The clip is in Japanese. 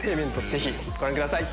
ぜひご覧ください。